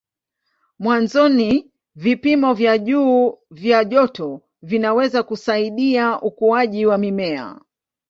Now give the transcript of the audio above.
Mwanzoni vipimo vya juu vya joto vinaweza kusaidia ukuaji wa mimea.